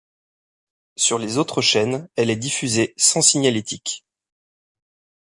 Sur les autres chaînes, elle est diffusée sans signalétique.